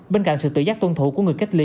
bên cạnh sự tự giác tuân thủ của người cách ly